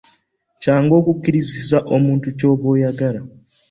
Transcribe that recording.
Kyangu okukkirizisa omuntu ky'oba oyagala.